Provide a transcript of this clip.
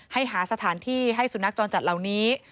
หาสถานที่ให้สุนัขจรจัดเหล่านี้